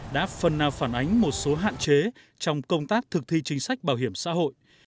đã phần nào phản ánh một số hạn chế trong công tác thực thi chính sách bảo hiểm xã hội